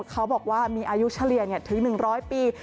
เขาบอกว่ามีอายุเฉลี่ยถึง๑๐๐ปี